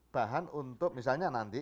bahan untuk misalnya nanti